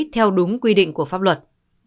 theo đúng quy định của pháp luật